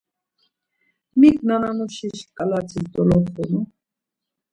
Mik nanamuşi ǩalatis doloxunu?